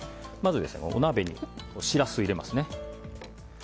まずお鍋にしらすを入れますね。